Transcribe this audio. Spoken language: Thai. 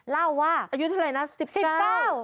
เล่าว่า๑๙โอ้โฮลูกอายุเท่าไรนะ๑๙